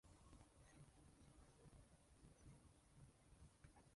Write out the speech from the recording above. これで変装しろ。